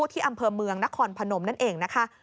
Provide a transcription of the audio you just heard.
ที่อำเภอเมืองนครพนมนั่นเองนะคะ